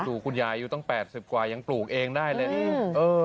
ดูคุณยายอยู่ตั้ง๘๐กว่ายังปลูกเองได้เลย